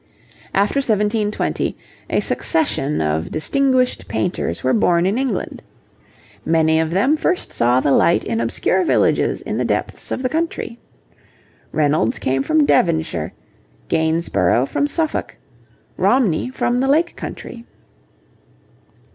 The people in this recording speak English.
After 1720 a succession of distinguished painters were born in England. Many of them first saw the light in obscure villages in the depths of the country. Reynolds came from Devonshire, Gainsborough from Suffolk, Romney from the Lake country.